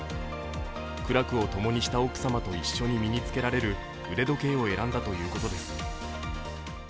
苦楽をともにした奥様と一緒に身につけられる腕時計を選んだということです。